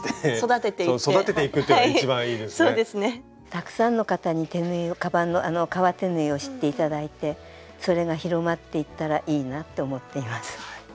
たくさんの方に手縫いをカバンの革手縫いを知って頂いてそれが広まっていったらいいなって思っています。